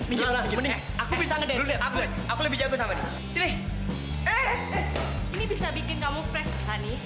ini bisa bikin kamu fresh sani